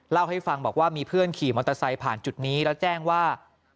เล่าให้ฟังบอกว่ามีเพื่อนขี่มอเตอร์ไซค์ผ่านจุดนี้แล้วแจ้งว่า